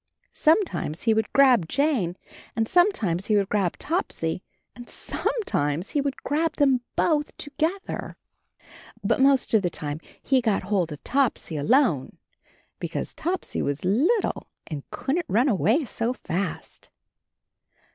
Sometimes he would grab Jane and sometimes he would grab Topsy and some times he would grab them both together! AND HIS KITTEN TOPSY S But most of the time he got hold of Topsy alone because Topsy was little and couldn't run away so fast.